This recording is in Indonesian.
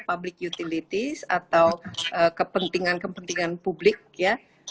public utilities atau kepentingan kepentingan publik ya